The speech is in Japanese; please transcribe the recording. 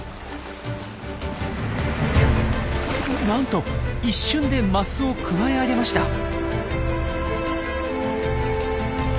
なんと一瞬でマスをくわえ上げました！